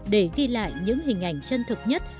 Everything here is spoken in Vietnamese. để ghi lại những hình ảnh chân thực nhất